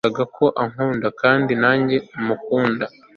nubwo yanyerekaga ko ankunda kandi nanjye nkamukunda